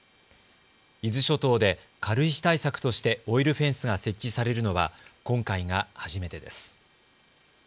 伊豆諸島で軽石対策としてオイルフェンスが設置されるのは今回が初めてです。